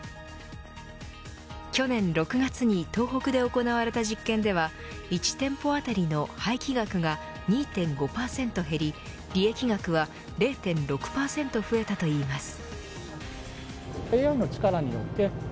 去年６月に東北で行われた実験では１店舗当たりの廃棄額が２．５％減り利益額は０．６％増えたといいます。